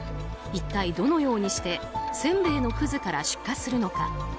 一体どのようにしてせんべいのくずから出火するのか。